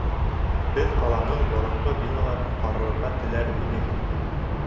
Беҙ ҡаланың боронғо биналарын ҡарарға теләр инек.